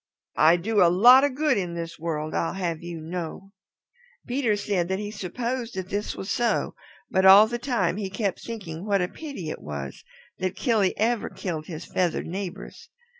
I do a lot of good in this world, I'd have you know." Peter said that he supposed that this was so, but all the time he kept thinking what a pity it was that Killy ever killed his feathered neighbors.